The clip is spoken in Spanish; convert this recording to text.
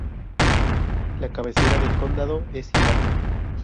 La cabecera del condado es Ithaca.